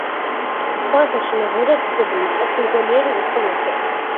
ხორასანში მეფობდა დიდებული, კეთილგონიერი, უხვი მეფე.